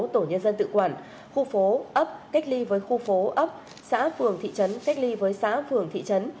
tổ nhân dân tự quản khu phố ấp cách ly với khu phố ấp xã phường thị trấn cách ly với xã phường thị trấn